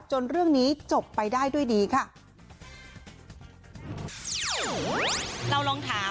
จนเรื่องนี้จบไปได้ด้วยดีค่ะ